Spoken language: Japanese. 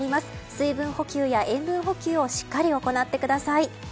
水分補給や塩分補給をしっかり行ってください。